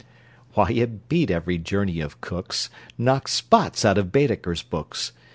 _] Why, it beat every journey of Cook's, Knocked spots out of Baedeker's books!